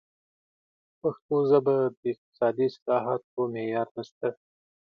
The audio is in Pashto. په پښتو ژبه د اقتصادي اصطلاحاتو معیار نشته.